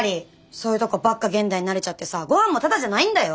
そういうとこばっか現代に慣れちゃってさごはんもタダじゃないんだよ！